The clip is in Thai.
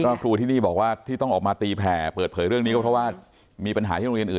ครูที่นี่บอกว่าที่ต้องออกมาตีแผ่เปิดเผยเรื่องนี้ก็เพราะว่ามีปัญหาที่โรงเรียนอื่น